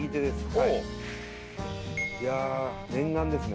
はいいや念願ですね